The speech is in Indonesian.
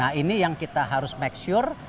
nah ini yang kita harus make sure